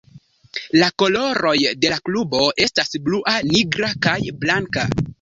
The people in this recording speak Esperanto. La koloroj de la klubo estas blua, nigra kaj blanka.